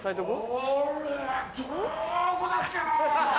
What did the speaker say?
あれどこだっけな？